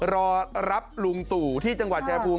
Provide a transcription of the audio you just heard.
รอรับลุงตู่ที่จังหวัดชายภูมิ